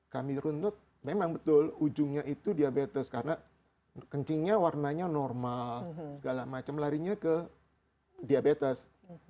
kami runtut memang betul ujungnya itu diabetes karena kencingnya warnanya normal segala macam larinya ke diabetes